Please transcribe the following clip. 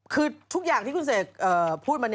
คือทุกอย่างที่คุณเสกพูดมา